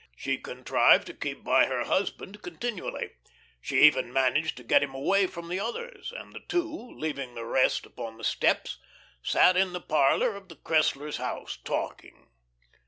She contrived to keep by her husband continually. She even managed to get him away from the others, and the two, leaving the rest upon the steps, sat in the parlour of the Cresslers' house, talking.